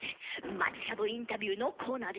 街角インタビューのコーナーでした。